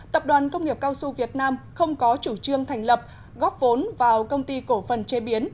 tập đoàn công nghiệp cao su việt nam không có chủ trương thành lập góp vốn vào công ty cổ phần chế biến